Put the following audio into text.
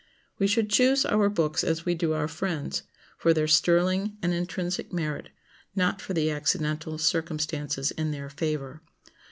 We should choose our books as we do our friends, for their sterling and intrinsic merit, not for the accidental circumstances in their favor.